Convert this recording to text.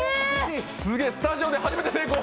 すげえ、スタジオで初めて成功。